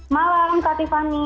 malam kak tiffany